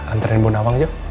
anterin bunda wang aja